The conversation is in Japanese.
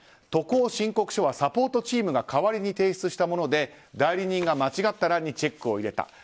渡航申告書はサポートチームが代わりに提出したもので代理人が間違った欄にチェックを入れた。